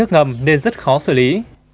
nước ngầm nên rất khó xử lý